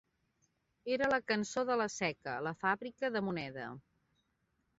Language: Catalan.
Era la cançó de la Seca, la fàbrica de moneda